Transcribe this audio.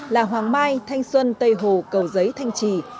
là hoàng mai thanh xuân tây hồ cầu giấy thanh trì